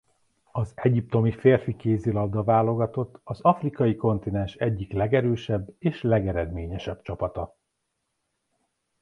Az egyiptomi férfi kézilabda-válogatott az afrikai kontinens egyik legerősebb és legeredményesebb csapata.